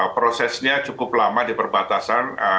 prosesnya cukup lama di perbatasan